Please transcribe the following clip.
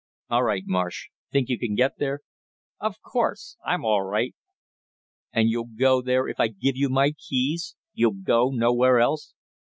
"All right, Marsh; think you can get there?" "Of course; I'm all right." "And you'll go there if I give you my keys you'll go nowhere else?"